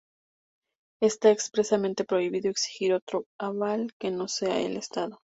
Está expresamente prohibido exigir otro aval que no sea el Estado.